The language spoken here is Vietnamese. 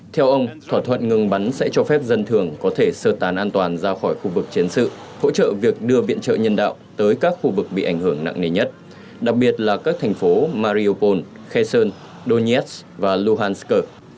theo ông thỏa thuận ngừng bắn sẽ cho phép dân thường có thể sơ tán an toàn ra khỏi khu vực chiến sự hỗ trợ việc đưa viện trợ nhân đạo tới các khu vực bị ảnh hưởng nặng nề nhất đặc biệt là các thành phố mariopol kheson donis và luhansk